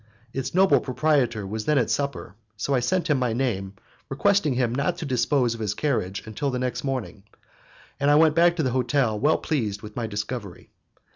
Its noble proprietor was then at supper, so I sent him my name, requesting him not to dispose of his carriage until the next morning, and I went back to the hotel well pleased with my discovery.